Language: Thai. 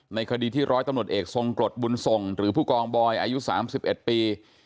ในคดีที่ร้อยตำรวจเอกทรงกรดบุญส่งหรือผู้กองบอยอายุ๓๑ปี